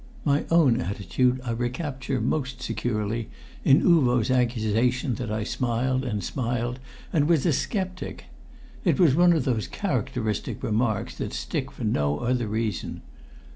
My own attitude I recapture most securely in Uvo's accusation that I smiled and smiled and was a sceptic. It was one of those characteristic remarks that stick for no other reason.